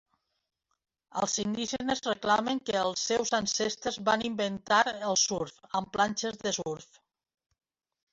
Els indígenes reclamen que els seus ancestres van inventar el surf amb planxes de surf.